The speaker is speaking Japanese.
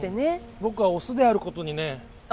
僕はオスであることにね